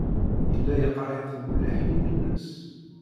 Yella yeqreḥ-it mliḥ yimi-nnes.